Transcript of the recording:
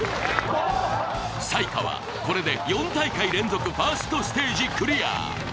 才川、これで４大会連続ファーストステージクリア。